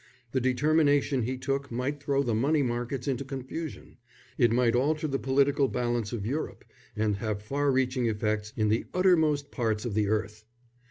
The determination he took might throw the money markets into confusion; it might alter the political balance of Europe and have far reaching effects in the uttermost parts of the earth.